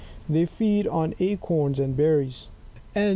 They feed on acorns and berries ] 39.